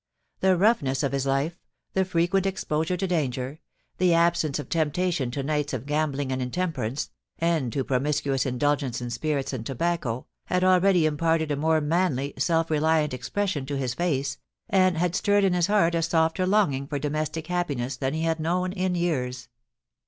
The roughness of his life, the frequent exposure to danger, the absence of temptation to nights of gambling and intemperance, and to promiscuous indulgence in spirits and tobacco, had already imparted a more manly, self reliant expression to his face, and had stirred in his heart a softer longing for domestic happiness than he had known for years.